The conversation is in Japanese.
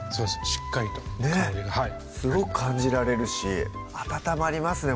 しっかりと香りがすごく感じられるし温まりますね